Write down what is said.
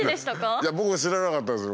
いや僕も知らなかったです